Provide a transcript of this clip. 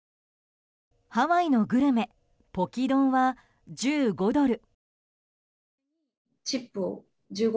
ハワイのグルメポキ丼は１５ドル。